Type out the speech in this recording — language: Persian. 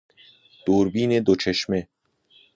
دوربین دوچشمه